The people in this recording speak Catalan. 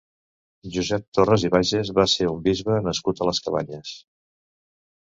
Josep Torras i Bages va ser un bisbe nascut a Les Cabanyes.